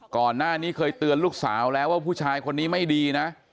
ก่อนหน้านี้เคยเตือนลูกสาวแล้วว่าผู้ชายคนนี้ไม่ดีนะ